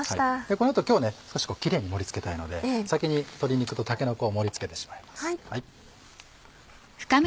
この後今日は少しキレイに盛り付けたいので先に鶏肉とたけのこを盛り付けてしまいます。